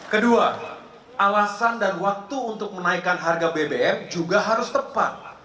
kedua alasan dan waktu untuk menaikkan harga bbm juga harus tepat